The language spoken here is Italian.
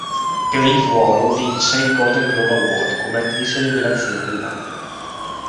Per il ruolo vinse il Golden Globe Award come "Attrice rivelazione dell'anno".